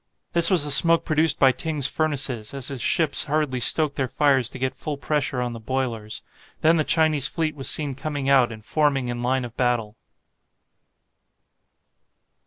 This was the smoke produced by Ting's furnaces, as his ships hurriedly stoked their fires to get full pressure on the boilers. Then the Chinese fleet was seen coming out and forming in line of battle.